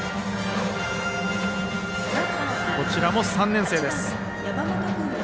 こちらも３年生です。